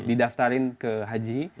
di daftarin ke haji